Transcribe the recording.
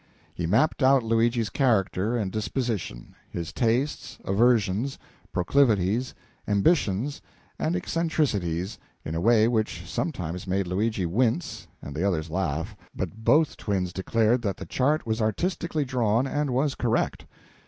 He mapped out Luigi's character and disposition, his tastes, aversions, proclivities, ambitions, and eccentricities in a way which sometimes made Luigi wince and the others laugh, but both twins declared that the chart was artistically drawn and was correct.